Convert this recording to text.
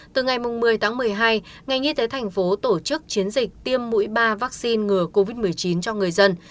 từ ngày một mươi một mươi hai ngành y tế tp hcm tổ chức chiến dịch tiêm mũi ba vaccine ngừa covid một mươi chín cho người dân